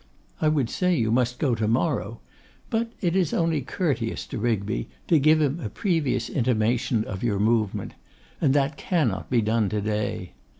I would say, you must go to morrow; but it is only courteous to Rigby to give him a previous intimation of your movement. And that cannot be done to day.